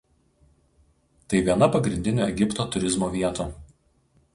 Tai viena pagrindinių Egipto turizmo vietų.